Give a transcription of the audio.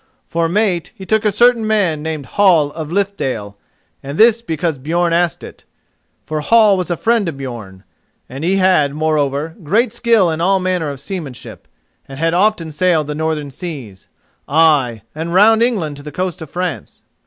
For mate, he took a certain man named Hall of Lithdale, and this because Björn asked it, for Hall was a friend to Björn, and he had, moreover, great skill in all manner of seamanship, and had often sailed the Northern Seas—ay, and round England to the coast of France.